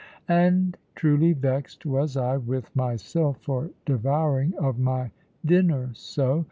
And truly vexed was I with myself for devouring of my dinner so.